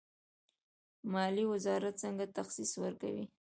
مالیې وزارت څنګه تخصیص ورکوي؟